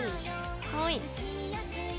はい。